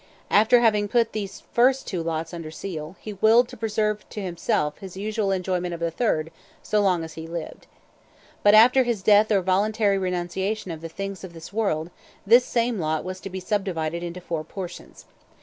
After having put these first two lots under seal, he willed to preserve to himself his usual enjoyment of the third so long as he lived. But after his death or voluntary renunciation of the things of this world, this same lot was to be subdivided into four portions.